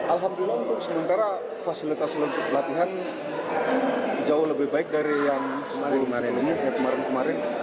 alhamdulillah untuk sementara fasilitas pelatihan jauh lebih baik dari yang kemarin kemarin